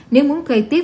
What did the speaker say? nếu muốn thuê tiếp